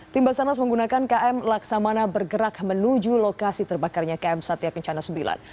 tim basarnas menggunakan km laksamana bergerak menuju lokasi terbakarnya km satya kencana sembilan